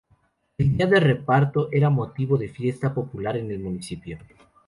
El día de reparto era motivo de fiesta popular en el municipio.